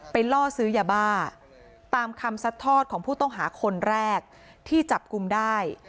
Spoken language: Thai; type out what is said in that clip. ล่อซื้อยาบ้าตามคำซัดทอดของผู้ต้องหาคนแรกที่จับกลุ่มได้